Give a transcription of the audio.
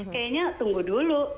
kayaknya tunggu dulu